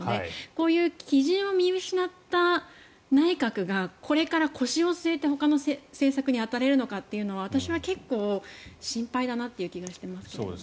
こういう基準を見失った内閣がこれから腰を据えてほかの政策に当たれるのかというのは私は結構、心配だなっていう気がしていますけどね。